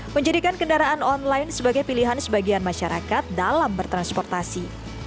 menjadikan kendaraan online sebagai pilihan sebagian masyarakat dalam bertransportasi